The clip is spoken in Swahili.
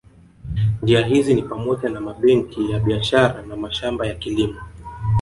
Njia hizi ni pamoja na mabenki ya biashara na mashamba ya kilimo